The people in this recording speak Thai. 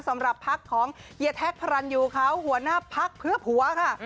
สำหรับพักของเฮียแท็กพระรันยูเขาหัวหน้าพักเพื่อผัวค่ะ